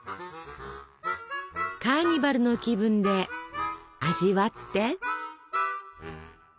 カーニバルの気分で味わって！